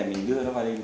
mình đưa nó vào đây